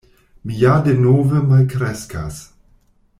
“Mi ja denove malkreskas.”